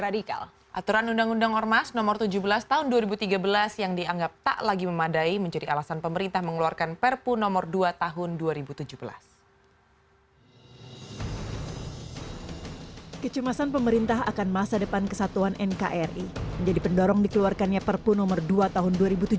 di depan kesatuan nkri menjadi pendorong dikeluarkannya perpu nomor dua tahun dua ribu tujuh belas